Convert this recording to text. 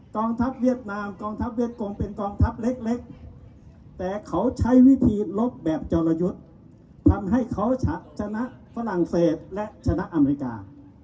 กองทัพเวียดนามกองทัพเวียดกงเป็นกองทัพเล็กแต่เขาใช้วิธีลบแบบจรยุทธ์ทำให้เขาชนะฝรั่งเศสและชนะอเมริกา